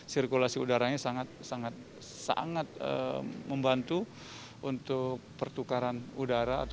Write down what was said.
sirkulasi udaranya sangat sangat membantu untuk pertukaran udara